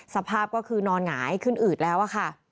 สภาพก็คือนอนหงายขึ้นอืดแล้วค่ะ